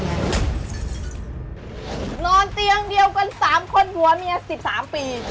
นอนเตียงเดียวกัน๓คนผัวเมีย๑๓ปี